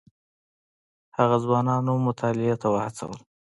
هغه ځوانان مطالعې ته وهڅول.